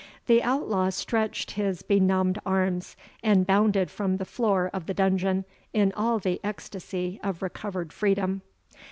The outlaw stretched his benumbed arms, and bounded from the floor of the dungeon in all the ecstasy of recovered freedom.